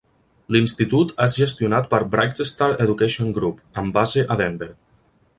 L'institut és gestionat per BrightStar Education Group, amb base a Denver.